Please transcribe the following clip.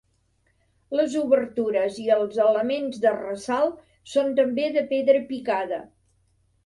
Les obertures i els elements de ressalt són també de pedra picada.